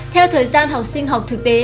theo thời gian học sinh học thực tế